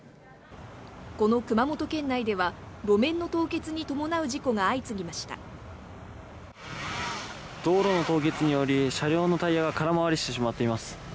この熊本県内では路面の凍結に伴う事故が相次ぎました道路の凍結により車両のタイヤが空回りしてしまっています